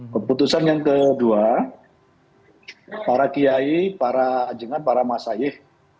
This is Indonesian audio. keputusan yang kedua para kiai para anjingan para masyaih